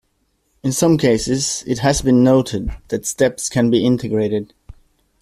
In some cases, it has been noted that steps can be integrated.